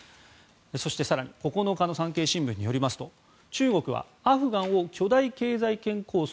そして更に９日の産経新聞によりますと中国はアフガンを巨大経済圏構想